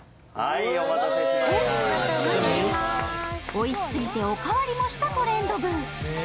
おいしすぎてお代わりもしたトレンド部。